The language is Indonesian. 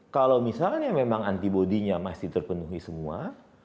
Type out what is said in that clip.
kalau misalnya memang antibodinya masih terpenuhi semua